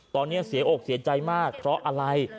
ตอนนี้เสียอกเสียใจมากเพราะอะไร